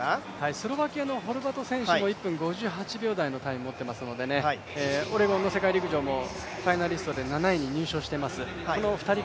スロバキアのホルバト選手も１分５８秒台のタイム持っていますのでオレゴンの世界陸上もファイナリストで７位に入賞しています。